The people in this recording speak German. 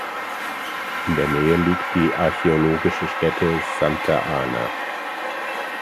In der Nähe liegt die archäologische Stätte "Santa Ana".